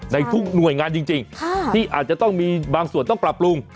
ในทุกหน่วยงานจริงที่อาจจะต้องมีบางส่วนต้องปรับปรุง